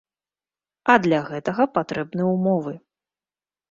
А для гэтага патрэбны ўмовы.